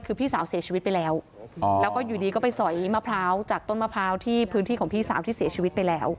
คือพี่สาวเสียชีวิตไปแล้ว